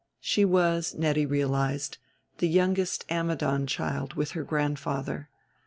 She was, Nettie realized, the youngest Ammidon child with her grand father.